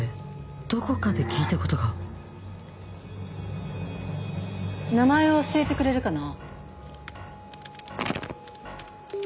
どこかで聞いたことが名前を教えてくれるかな？